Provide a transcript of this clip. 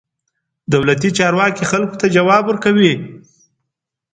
دولتي چارواکي خلکو ته ځواب ورکوي.